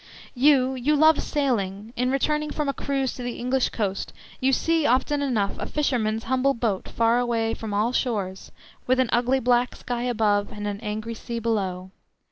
You, you love sailing; in returning from a cruise to the English coast you see often enough a fisherman's humble boat far away from all shores, with an ugly black sky above and an angry sea beneath.